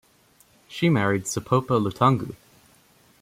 She married Sipopa Lutangu.